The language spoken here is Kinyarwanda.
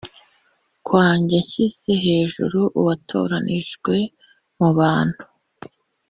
kwanjye nshyize hejuru uwatoranijwe mu bantu